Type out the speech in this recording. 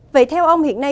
vậy theo ông hiện nay